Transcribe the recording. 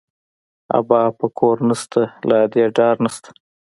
ابا په کور نه شته، له ادې ډار نه شته